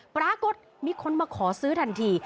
ปรากฏมีคนมาขอซื้อทันที